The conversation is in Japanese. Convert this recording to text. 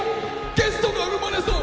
ゲストが生まれそう！